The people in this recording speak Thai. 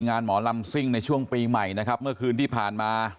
หมอลำซิ่งในช่วงปีใหม่นะครับเมื่อคืนที่ผ่านมา